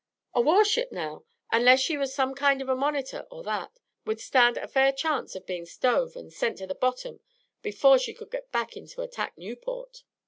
A war ship now, unless she was some kind of a monitor or that, would stand a fair chance of being stove and sent to the bottom before she could get in to attack Newport."